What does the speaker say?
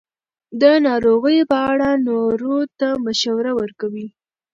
د ناروغیو په اړه نورو ته مشوره ورکوي.